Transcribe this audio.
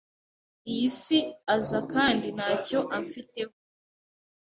iyi si aza kandi nta cyo amfiteho